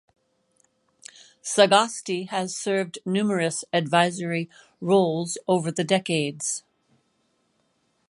Sagasti has served numerous advisory roles over the decades.